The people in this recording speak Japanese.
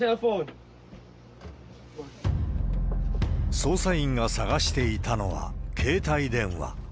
捜査員が探していたのは、携帯電話。